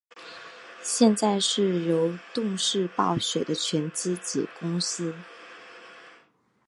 现在是由动视暴雪的全资子公司。